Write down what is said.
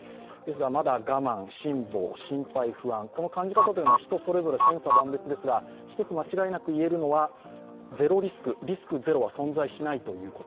まだ我慢、辛抱、心配、不安、この感じ方、それぞれ、千差万別ですが、間違いなく言えるのがゼロリスク、リスクゼロは存在しないということ。